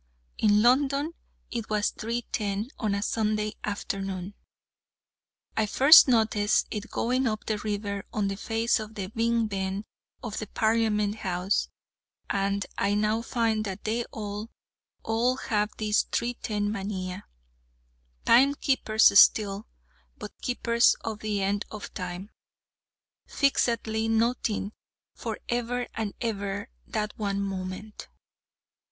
In London it was 3.10 on a Sunday afternoon. I first noticed it going up the river on the face of the 'Big Ben' of the Parliament house, and I now find that they all, all, have this 3.10 mania, time keepers still, but keepers of the end of Time, fixedly noting for ever and ever that one moment.